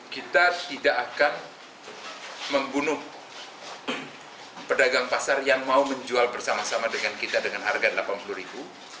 kita tidak akan membunuh pedagang pasar yang mau menjual bersama sama dengan kita dengan harga rp delapan puluh ribu